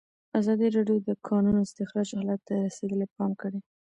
ازادي راډیو د د کانونو استخراج حالت ته رسېدلي پام کړی.